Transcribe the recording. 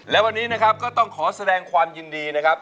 และวันนี้นะครับก็ต้องขอแสดงความยินดีนะครับ